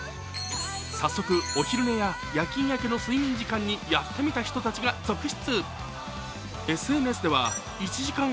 早速、お昼寝や夜勤明けの睡眠時間にやってみた人たちが続出。